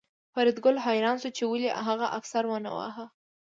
فریدګل حیران شو چې ولې هغه افسر ونه واهه